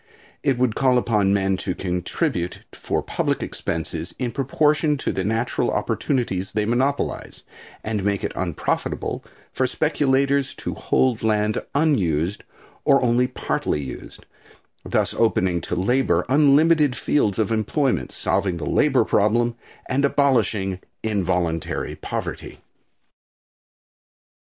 It would call upon men to contribute for public expenses in proportion to the natural opportunities they monopolize, and make it unprofitable for speculators to hold land unused or only partly used, thus opening to labor unlimited fields of employment, solving the labor problem and abolishing involuntary poverty.